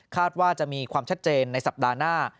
ว่าจะมีความชัดเจนในสัปดาห์หน้า